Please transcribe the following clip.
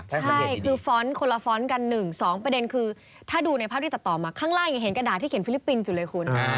ใช่คือฟ้อนต์คนละฟ้อนต์กัน๑๒ประเด็นคือถ้าดูในภาพที่ตัดต่อมาข้างล่างยังเห็นกระดาษที่เขียนฟิลิปปินส์อยู่เลยคุณ